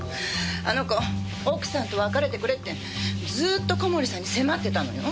あの子奥さんと別れてくれってずーっと小森さんに迫ってたのよ。